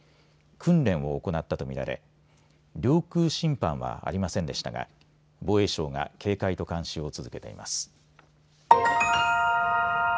訓練を行ったと見られ領空侵犯はありませんでしたが防衛省が警戒と監視を続けています。